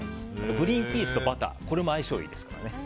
グリーンピースとバターこれも相性いいですからね。